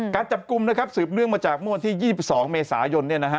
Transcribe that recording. การจับกลุ่มนะครับสืบเนื่องมาจากมวลที่๒๒เมษายนเนี่ยนะฮะ